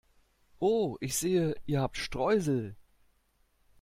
Oh, ich sehe, ihr habt Streusel!